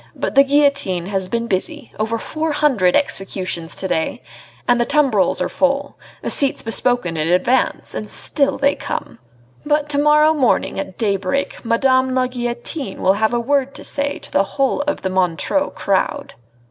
But the guillotine has been busy; over four hundred executions to day ... and the tumbrils are full the seats bespoken in advance and still they come.... But to morrow morning at daybreak Madame la Guillotine will have a word to say to the whole of the Montreux crowd!"